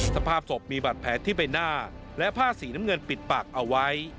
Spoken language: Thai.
สภาพศพมีบาดแผลที่ใบหน้าและผ้าสีน้ำเงินปิดปากเอาไว้